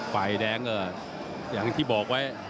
ฝ่ายแดงก็อย่างที่บอกไว้